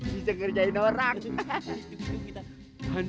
bisa ngerjain orang